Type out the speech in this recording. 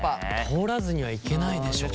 通らずにはいけないでしょ。